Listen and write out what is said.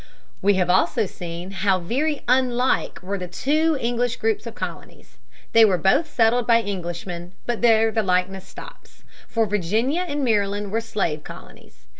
We have also seen how very unlike were the two English groups of colonies. They were both settled by Englishmen, but there the likeness stops. For Virginia and Maryland were slave colonies.